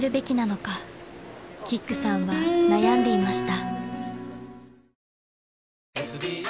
［キックさんは悩んでいました］